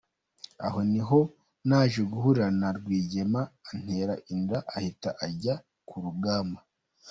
Aho ni ho naje guhurira na Rwigema antera inda ahita ajya ku rugamba.”